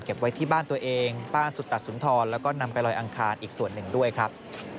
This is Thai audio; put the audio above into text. ไว้ที่บ้านตัวเองป้าสุตสุนทรแล้วก็นำไปลอยอังคารอีกส่วนหนึ่งด้วยครับ